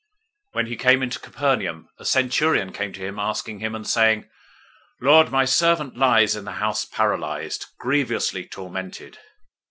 008:005 When he came into Capernaum, a centurion came to him, asking him, 008:006 and saying, "Lord, my servant lies in the house paralyzed, grievously tormented."